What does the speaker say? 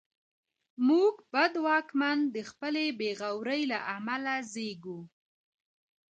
موږ بد واکمن د خپلې بېغورۍ له امله زېږوو.